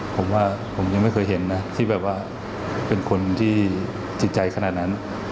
ผมว่าผมยังไม่เคยเห็นนะที่แบบว่าเป็นคนที่จิตใจขนาดนั้น